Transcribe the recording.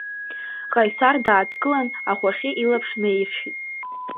Ҟаисар дааҭгылан, ахәахьы илаԥш наиршәит…